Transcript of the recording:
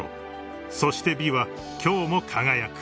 ［そして美は今日も輝く］